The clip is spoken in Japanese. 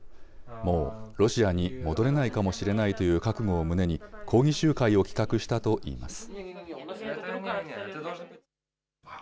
もうロシアに戻れないかもしれないという覚悟を胸に、抗議集会を企画したといいます。